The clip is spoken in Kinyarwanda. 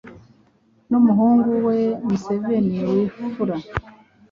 numuhungu we Museveni, wimfura